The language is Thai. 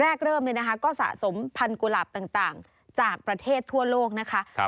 แรกเริ่มเนี่ยนะคะก็สะสมพันธุหลาบต่างจากประเทศทั่วโลกนะคะ